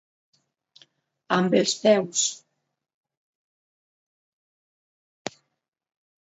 Amb els peus.